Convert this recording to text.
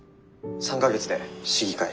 「３か月で市議会」。